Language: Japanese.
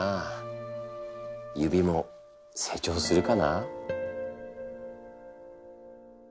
指も成長するかな？